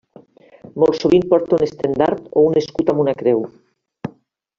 Molt sovint porta un estendard o un escut amb una creu.